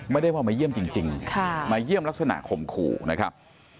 ไม่ได้พอมาเยี่ยมจริงมาเยี่ยมลักษณะข่มขู่นะครับ